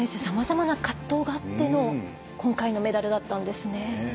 さまざまな葛藤があっての今回のメダルだったんですね。